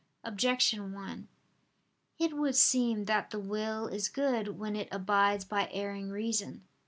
Objection 1: It would seem that the will is good when it abides by erring reason.